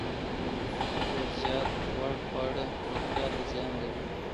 ډیر زیات غوړ خواړه روغتیا ته زیان لري.